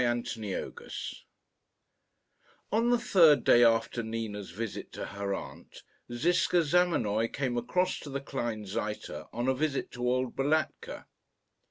CHAPTER III On the third day after Nina's visit to her aunt, Ziska Zamenoy came across to the Kleinseite on a visit to old Balatka.